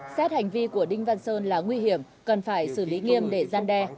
xét hành vi của đinh văn sơn là nguy hiểm cần phải xử lý nghiêm để gian đe